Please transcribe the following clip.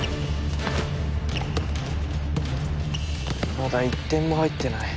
まだ一点も入ってない。